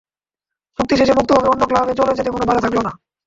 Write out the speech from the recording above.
চুক্তি শেষে মুক্তভাবে অন্য ক্লাবে চলে যেতে কোনো বাধা থাকল না।